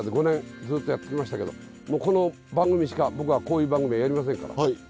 ５年ずっとやってきましたけどもうこの番組しか僕はこういう番組はやりませんから。